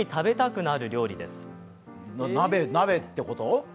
鍋ってこと？